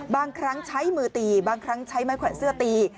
บางครั้งใช้มือตีบางครั้งใช้ไม้แขวนเสื้อตี